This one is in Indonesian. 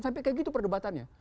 sampai kayak gitu perdebatannya